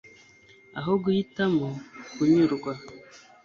aho guhitamo kunyurwa